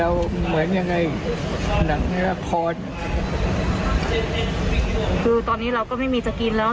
เหมือนยังไงหนังในละครคือตอนนี้เราก็ไม่มีจะกินแล้ว